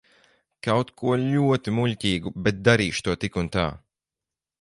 Kaut ko ļoti muļķīgu, bet darīšu to tik un tā.